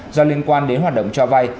do liên quan đến hoạt động cho vay